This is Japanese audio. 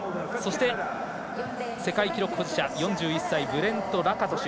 そして、世界記録保持者４１歳ブレント・ラカトシュ。